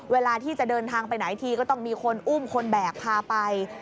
เวลาที่จะเดินทางไปไหนทีก็ต้องมีคนอุ้มคนแบกพาไป